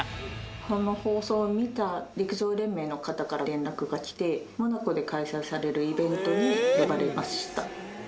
この放送を見た陸上連盟の方から連絡が来て、モナコで開催されるイベントに呼ばれました。